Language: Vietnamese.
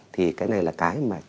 thì cái này là cái mà chắc chắn là